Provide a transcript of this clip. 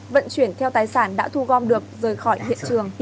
vận chuyển theo tài sản đã thu gom được rời khỏi hiện trường